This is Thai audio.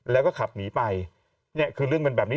แล้วก็ขับหนีไปเนี่ยคือเรื่องเป็นแบบนี้